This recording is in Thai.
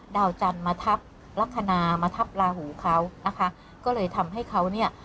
ดาวจันทร์มาทับลักษณะมาทับลาหูเขานะคะก็เลยทำให้เขาเนี่ย